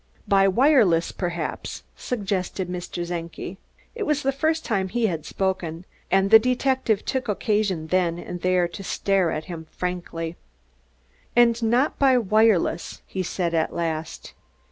"By wireless, perhaps?" suggested Mr. Czenki. It was the first time he had spoken, and the detective took occasion then and there to stare at him frankly. "And not by wireless," he said at last.